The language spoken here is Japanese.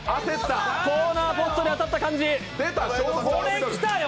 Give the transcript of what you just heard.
コーナーポストに当たった感じ！